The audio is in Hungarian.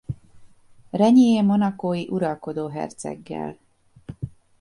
Rainer monacói uralkodó herceggel.